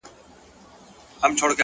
اخلاص د عمل رنګ ښکلی کوي